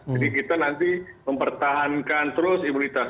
jadi kita nanti mempertahankan terus imunitas